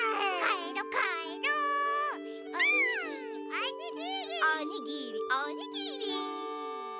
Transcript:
おにぎりおにぎり！